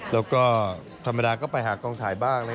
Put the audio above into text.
แล้วก็ธรรมดาก็ไปหากองถ่ายบ้าง